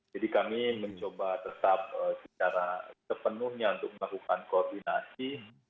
jadi kami mencoba tetap secara sepenuhnya untuk melakukan koordinasi